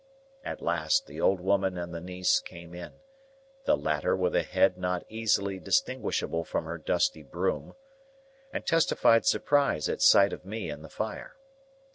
At last, the old woman and the niece came in,—the latter with a head not easily distinguishable from her dusty broom,—and testified surprise at sight of me and the fire.